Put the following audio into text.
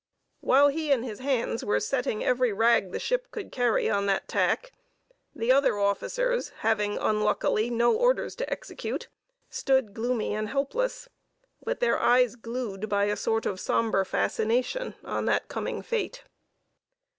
While he and his hands were setting every rag the ship could carry on that tack, the other officers, having unluckily no orders to execute, stood gloomy and helpless, with their eyes glued, by a sort of sombre fascination, on that coming fate....